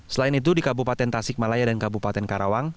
selain itu di kabupaten tasikmalaya dan kabupaten karawang